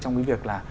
trong cái việc là